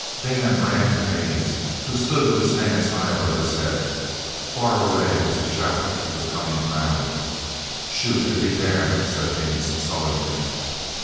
Dan ran to Haines, who stood with his hands high above his head. Far away was the shout of the coming crowd. "Shoot and be damned!" said Haines sullenly.